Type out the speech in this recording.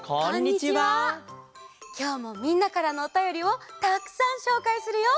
きょうもみんなからのおたよりをたくさんしょうかいするよ。